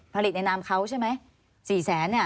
ผลิตในนามเขาใช่ไหมสี่แสนเนี่ย